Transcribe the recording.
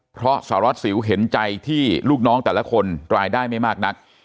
เพราะสารวัสสิวเห็นใจที่ลูกน้องแต่ละคนรายได้ไม่มากนัก